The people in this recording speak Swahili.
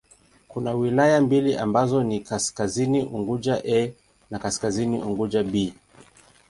Kuna wilaya mbili ambazo ni Kaskazini Unguja 'A' na Kaskazini Unguja 'B'.